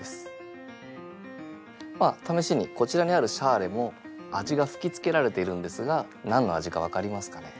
ためしにこちらにあるシャーレも味が吹きつけられているんですが何の味か分かりますかね？